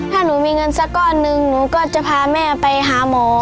ถ้าหนูมีเงินสักก้อนหนึ่งหนูก็จะพาแม่ไปหาหมอ